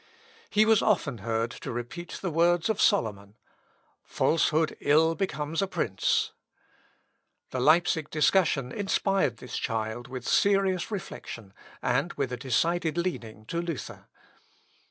He was often heard to repeat the words of Solomon, falsehood ill becomes a prince. The Leipsic discussion inspired this child with serious reflection, and with a decided leaning to Luther.